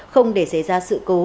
không để xảy ra sự cố